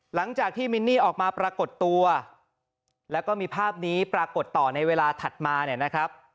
หลังจากที่มินนี่ออกมาปรากฏตัวแล้วก็มีภาพนี้ปรากฏต่อในเวลาถัดมาเนี่ยนะครับ